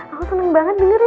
aku seneng banget denger ya